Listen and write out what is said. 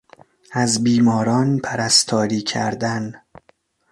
از بیماران پرستاری کردن